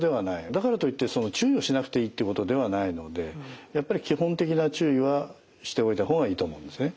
だからといって注意をしなくていいってことではないのでやっぱり基本的な注意はしておいた方がいいと思うんですね。